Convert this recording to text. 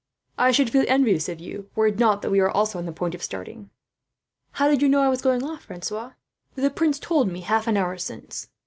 "I should feel envious of you, were it not that we also are on the point of starting." "How did you know I was going off, Francois?" "The prince told me, half an hour since.